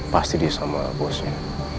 pasti dia sama bosnya